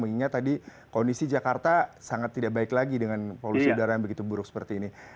mengingat tadi kondisi jakarta sangat tidak baik lagi dengan polusi udara yang begitu buruk seperti ini